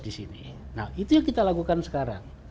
disini nah itu yang kita lakukan sekarang